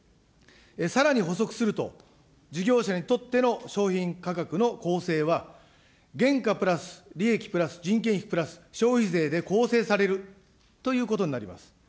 さらに補足すると、事業者にとっての商品価格の構成は、原価プラス利益プラス人件費プラス消費税で構成されるということになります。